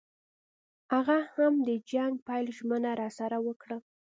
هغه هم د جنګ پیل ژمنه راسره وکړه.